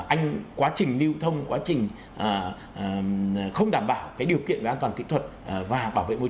anh quá trình lưu thông quá trình không đảm bảo cái điều kiện về an toàn kỹ thuật và bảo vệ môi trường